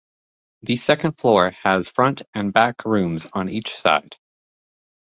The second floor has front and back rooms on each side.